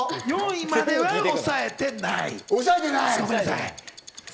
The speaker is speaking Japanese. ４位までは抑えてない。